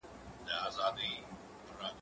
زه اوږده وخت د لوبو لپاره وخت نيسم وم؟